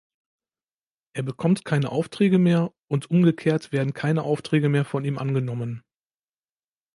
Er bekommt keine Aufträge mehr, und umgekehrt werden keine Aufträge mehr von ihm angenommen.